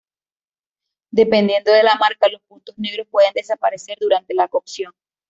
Dependiendo de la marca, los puntos negros pueden desaparecer durante la cocción.